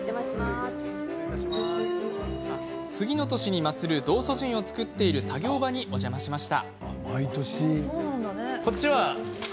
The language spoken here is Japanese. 次の年に祭る道祖神を作っている作業場にお邪魔しました。